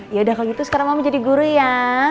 yaudah kalau gitu sekarang mama jadi guru ya